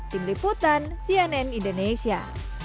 tim liputan cnn indonesia